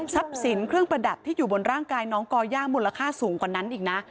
สินเครื่องประดับที่อยู่บนร่างกายน้องก่อย่ามูลค่าสูงกว่านั้นอีกนะ